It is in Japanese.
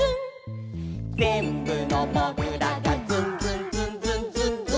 「ぜんぶのもぐらが」「ズンズンズンズンズンズン」